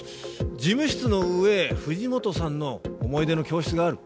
事務室の上藤本さんの思い出の教室がある。